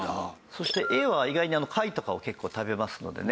そしてエイは意外に貝とかを結構食べますのでね。